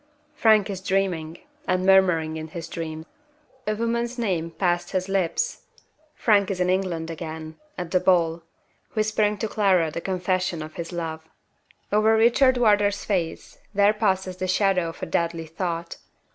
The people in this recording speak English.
Frank is dreaming, and murmuring in his dream. A woman's name passes his lips. Frank is in England again at the ball whispering to Clara the confession of his love. Over Richard Wardour's face there passes the shadow of a deadly thought.